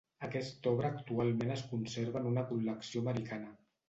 Aquesta obra actualment es conserva en una col·lecció americana.